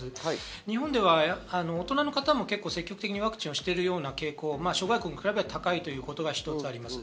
日本では大人の方も積極的にワクチンを打っている傾向、諸外国に比べて高いことが一つあります。